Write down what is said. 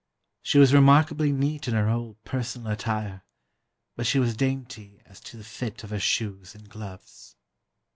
She was remarkably neat in her whole personal attire; but she was dainty as to the fit of her shoes and gloves."